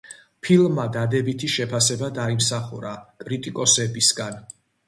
ფილმმა დადებითი შეფასებები დაიმსახურა კრიტიკოსებისგან.